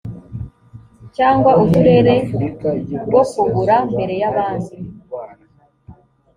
cyangwa uturere bwo kugura mbere y abandi